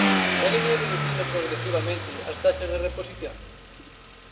¿Queren ir reducindo progresivamente as taxas de reposición?